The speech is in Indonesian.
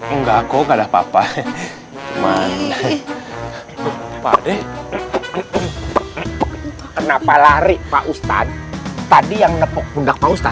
enggak kok enggak papa papa deh kenapa lari pak ustadz tadi yang nepot bunda kau